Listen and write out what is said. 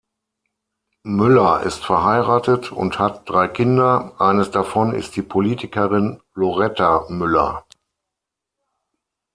Müller ist verheiratet und hat drei Kinder, eines davon ist die Politikerin Loretta Müller.